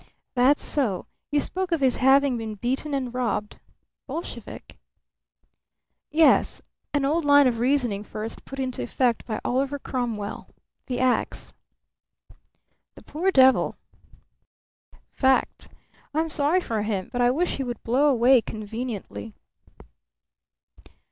"That's so. You spoke of his having been beaten and robbed. Bolshevik?" "Yes. An old line of reasoning first put into effect by Oliver Cromwell. The axe." "The poor devil!" "Fact. I'm sorry for him, but I wish he would blow away conveniently."